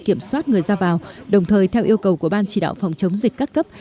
kiểm soát người ra vào đồng thời theo yêu cầu của ban chỉ đạo phòng chống dịch các cấp